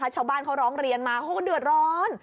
ชาวบ้านเขาร้องเรียนมาเขาก็เดือดร้อน